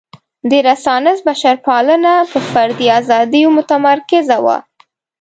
د رنسانس بشرپالنه په فردي ازادیو متمرکزه وه.